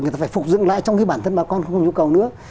người ta phải phục dựng lại trong cái bản thân bà con không nhu cầu nữa